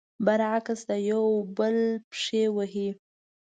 برعکس، د يو بل پښې وهي.